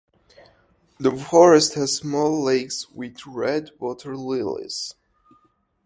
The forest has small lakes with red waterlilies.